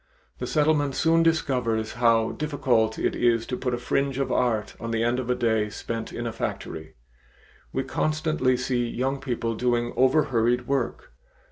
The Settlement soon discovers how difficult it is to put a fringe of art on the end of a day spent in a factory. We constantly see young people doing overhurried work.